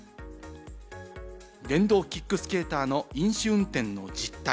電動キックスケーターの飲酒運転の実態。